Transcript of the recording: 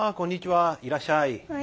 いらっしゃい。